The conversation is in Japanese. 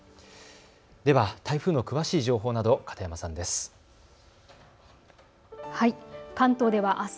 台風の詳しい情報など片山さんです。